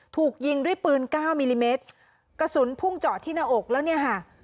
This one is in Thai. ถูกยิงด้วยปืนเก้ามิลลิเมตรกระสุนพุ่งเจาะที่หน้าอกแล้วเนี่ยค่ะ